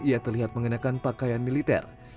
ia terlihat mengenakan pakaian militer